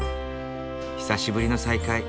久しぶりの再会。